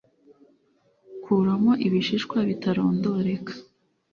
Kuramo ibishishwa bitarondoreka